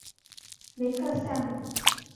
梅克赛姆。